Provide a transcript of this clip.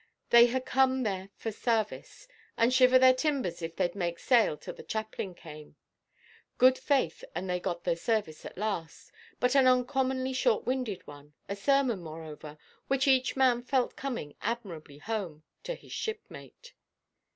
They had come there for sarvice, and shiver their timbers if theyʼd make sail till the chaplain came. Good faith, and they got their service at last, but an uncommonly short–winded one, a sermon, moreover, which each man felt coming admirably home—to his shipmate.